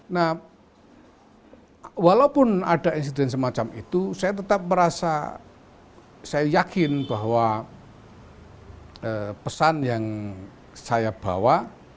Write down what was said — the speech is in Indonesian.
nah walaupun ada insiden semacam itu saya tetap merasa saya yakin bahwa pesan yang saya bawa